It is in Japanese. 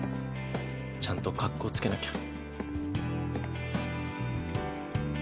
ちゃんと格好つけなきゃ。